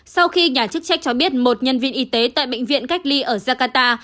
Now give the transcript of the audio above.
sau khi nhà chức trách cho biết một nhân viên y tế tại bệnh viện cách ly ở jakarta